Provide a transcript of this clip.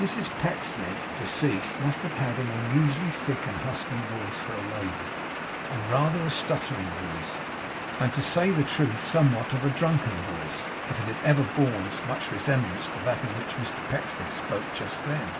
Mrs Pecksniff deceased, must have had an unusually thick and husky voice for a lady, and rather a stuttering voice, and to say the truth somewhat of a drunken voice, if it had ever borne much resemblance to that in which Mr Pecksniff spoke just then.